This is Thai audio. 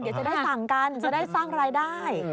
เดี๋ยวจะได้สั่งกันจะได้สร้างรายได้